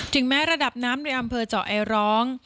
แม้ระดับน้ำในอำเภอเจาะไอร้อง